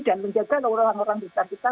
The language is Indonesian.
dan menjaga orang orang di sasita